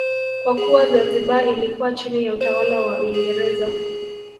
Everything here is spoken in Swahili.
Kwa kuwa Zanzibar ilikuwa chini ya utawala wa Uingereza